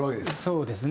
そうですね。